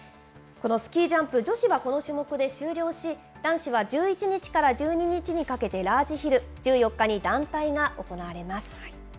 このスキージャンプ女子はこの種目で終了し、男子は１１日から１２日にかけてラージヒル、１４日に団体が行われます。